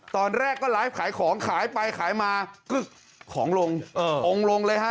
ตอนแรกก็ไลฟ์ขายของขายไปขายมากึ๊กของลงองค์ลงเลยฮะ